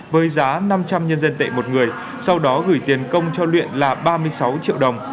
với giá năm trăm linh nhân dân tệ một người sau đó gửi tiền công cho luyện là ba mươi sáu triệu đồng